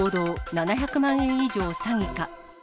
７００万円以上詐欺か。